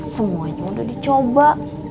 semuanya udah dicoba